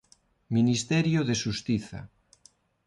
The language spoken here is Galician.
Ministerio de Xustiza.